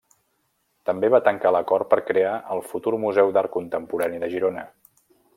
També va tancar l’acord per crear el futur Museu d’Art Contemporani de Girona.